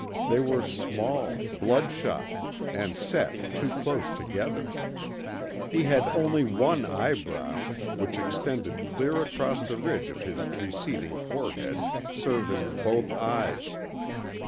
They were small, bloodshot, and set too close together. He had only one eyebrow, which extended clear across the ridge of his receding forehead, serving both eyes.